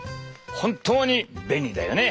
本当に便利だよね！